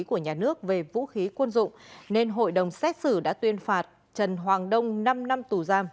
của nhà nước về vũ khí quân dụng nên hội đồng xét xử đã tuyên phạt trần hoàng đông năm năm tù giam